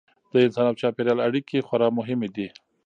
د انسان او چاپیریال اړیکې خورا مهمې دي.